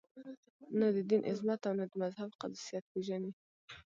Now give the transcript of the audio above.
نه د دین عظمت او نه د مذهب قدسیت پېژني.